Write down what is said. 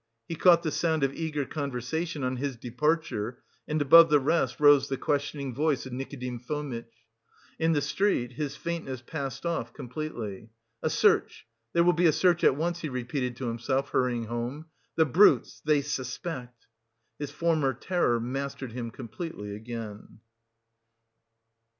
He caught the sound of eager conversation on his departure, and above the rest rose the questioning voice of Nikodim Fomitch. In the street, his faintness passed off completely. "A search there will be a search at once," he repeated to himself, hurrying home. "The brutes! they suspect." His former terror mastered him completely again.